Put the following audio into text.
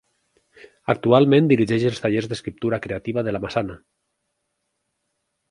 Actualment dirigeix els tallers d'escriptura creativa de La Massana.